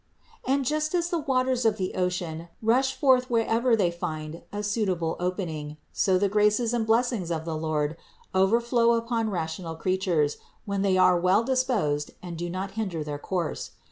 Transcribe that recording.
And just as the waters of the ocean rush forth wherever they find a suitable opening, so the graces and blessings of the Lord overflow upon rational creatures, when they are well disposed and do not hinder their course.